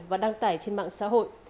và đăng tải trên mạng xã hội